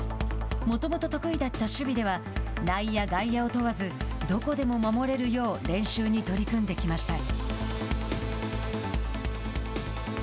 もともと得意だった守備では内野、外野を問わずどこでも守れるよう練習に取り組んできました。